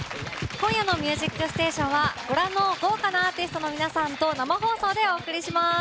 今夜の「ミュージックステーション」はご覧の豪華なアーティストの皆さんと生放送でお送りします。